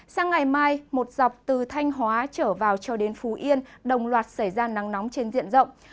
sang ngày mai một dọc từ thanh hóa trở vào cho đến phú yên đồng loạt xảy ra nắng nóng trên diện rộng